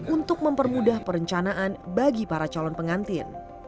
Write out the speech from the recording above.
untuk mempermudah perencanaan bagi para calon pengantin